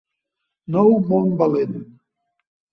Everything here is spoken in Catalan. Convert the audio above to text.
Nou món valent